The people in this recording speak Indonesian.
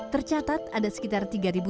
kepala kelola pertamu